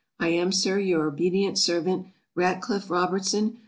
I am, Sir, your obedient servant, RATCLIFF ROBERTSON.